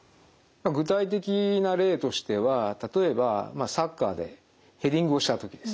具体的な例としては例えばサッカーでヘディングをしたときですね。